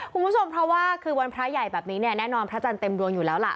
คุณผู้ชมเพราะว่าคือวันพระใหญ่แบบนี้เนี่ยแน่นอนพระจันทร์เต็มดวงอยู่แล้วล่ะ